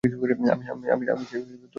আমি চাই তুইও একই কষ্ট পাস।